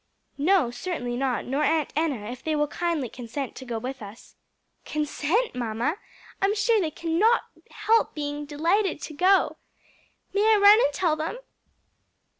"No, certainly not; nor Aunt Enna, if they will kindly consent to go with us." "Consent, mamma! I'm sure they cannot help being delighted to go. May I run and tell them?"